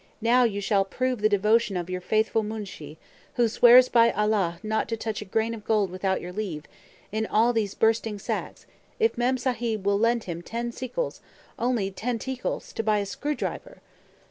Now you shall prove the devotion of your faithful Moonshee, who swears by Allah not to touch a grain of gold without your leave, in all those bursting sacks, if Mem Sahib will but lend him ten ticals, only ten ticals, to buy a screw driver!"